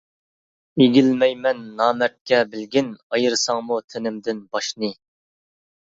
ئېگىلمەيمەن نامەردكە بىلگىن، ئايرىساڭمۇ تېنىمدىن باشنى.